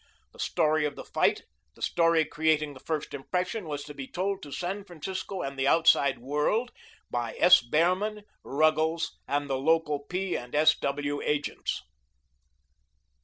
The story of the fight, the story creating the first impression, was to be told to San Francisco and the outside world by S. Behrman, Ruggles, and the local P. and S. W. agents.